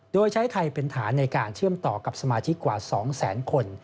โดยใช้ไทยเป็นฐานในการเชื่อมต่อกับสมาชิกกว่า๒แสนคน